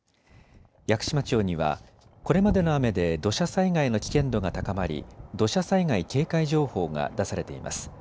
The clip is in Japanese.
屋久島町にはこれまでの雨で土砂災害の危険度が高まり土砂災害警戒情報が出されています。